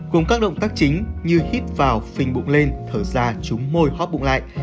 cùng các động tác chính như hít vào phình bụng lên thở ra trúng môi hóp bụng lại